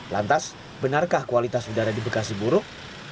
lantas benarkah kualitas udara di bekasi buruk